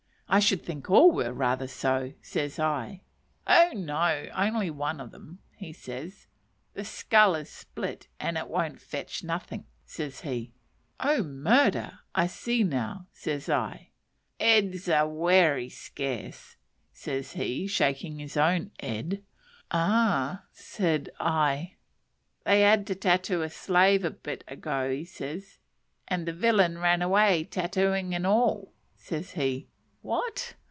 "I should think all were rather so," says I. "Oh, no, only one on 'em," says he; "the skull is split, and it won't fetch nothin'," says he. "Oh, murder! I see, now," says I. "Eds was werry scarce," says he, shaking his own "ed." "Ah!" said I. "They had to tattoo a slave a bit ago," says he, "and the villain ran away, tattooin' and all!" says he. "What?"